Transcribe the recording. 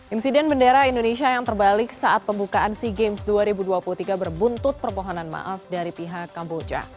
insiden bendera indonesia yang terbalik saat pembukaan sea games dua ribu dua puluh tiga berbuntut permohonan maaf dari pihak kamboja